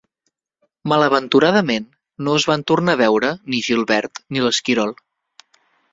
Malaventuradament, no es van tornar a veure ni Gilbert ni l'esquirol.